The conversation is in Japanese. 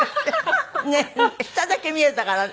下だけ見えたからね。